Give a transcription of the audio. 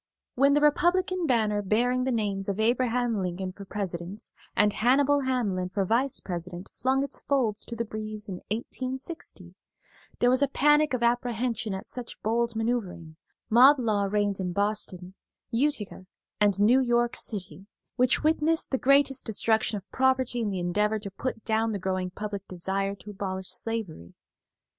When the Republican banner bearing the names of Abraham Lincoln for President and Hannibal Hamlin for Vice President flung its folds to the breeze in 1860, there was a panic of apprehension at such bold manoeuvering; mob law reigned in Boston, Utica and New York City, which witnessed the greatest destruction of property in the endeavor to put down the growing public desire to abolish slavery.